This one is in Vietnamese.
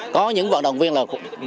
có những vận động viên là bảy mươi năm